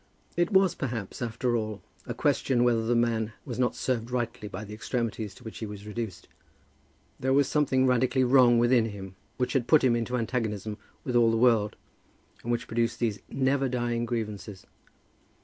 It was, perhaps, after all, a question whether the man was not served rightly by the extremities to which he was reduced. There was something radically wrong within him, which had put him into antagonism with all the world, and which produced these never dying grievances.